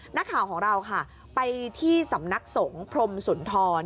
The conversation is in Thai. นักข่าวของเราค่ะไปที่สำนักสงฆ์พรมสุนทร